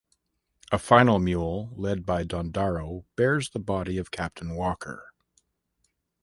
A final mule, led by Dondaro, bears the body of Captain Walker.